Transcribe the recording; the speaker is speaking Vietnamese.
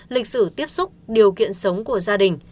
lịch sử tiếp xúc điều kiện sống của gia đình